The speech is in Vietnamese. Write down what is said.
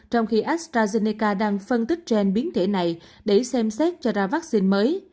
trong khi astrazeneca đang phân tích trên biến thể này để xem xét cho ra vaccine mới